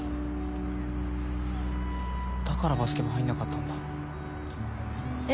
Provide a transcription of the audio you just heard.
だからバスケ部入んなかったんだ。え？